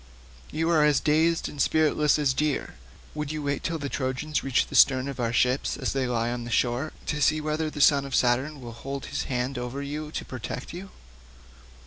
You are as dazed and spiritless as deer. Would you wait till the Trojans reach the sterns of our ships as they lie on the shore, to see whether the son of Saturn will hold his hand over you to protect you?"